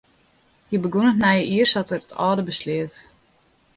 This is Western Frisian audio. Hy begûn it nije jier sa't er it âlde besleat.